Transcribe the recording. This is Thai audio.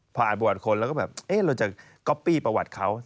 พออ่านประวัติคนแล้วก็แบบเอ๊ะเราจะก๊อปปี้ประวัติเขา